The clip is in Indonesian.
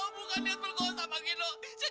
bukanlah lihat bergosa